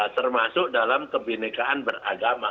termasuk dalam kebinekaan beragama